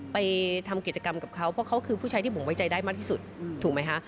ไปทำกิจกรรมกับเขาเพราะเขาคือผู้ชายที่ผมไว้ใจได้มากที่สุดถูกไหมคะ